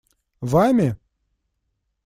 Вами?